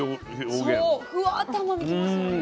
そうふわっと甘みきますよね。